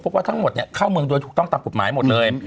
ว่าทั้งหมดเข้าเมืองโดยถูกต้องตามกฎหมายหมดเลย